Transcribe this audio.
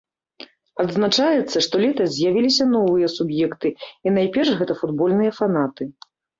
Адзначаецца, што летась з'явіліся новыя суб'екты і найперш гэта футбольныя фанаты.